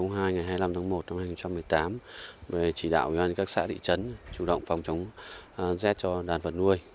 ngày hai mươi năm tháng một năm hai nghìn một mươi tám về chỉ đạo ubnd các xã địa chấn chủ động phòng chống z cho đàn vật nuôi